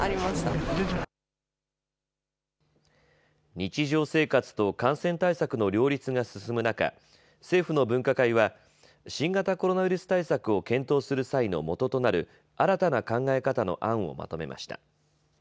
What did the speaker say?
日常生活と感染対策の両立が進む中、政府の分科会は新型コロナウイルス対策を検討する際のもととなる新たな考え方の案をまとめました。